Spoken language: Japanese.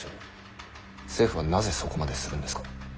政府がなぜそこまでするんですか？